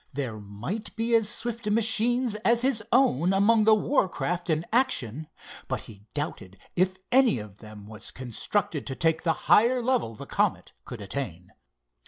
There might be as swift machines as his own among the war craft in action, but he doubted if any of them was constructed to take the higher level the Comet could attain.